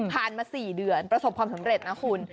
มา๔เดือนประสบความสำเร็จนะคุณ